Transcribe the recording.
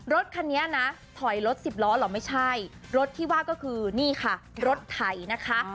รถคันนี้นะถอยรถสิบล้อเหรอไม่ใช่รถที่ว่าก็คือนี่ค่ะรถไถนะคะ